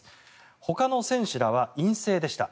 ほかの選手らは陰性でした。